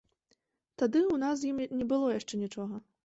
Тады ў нас з ім не было яшчэ нічога.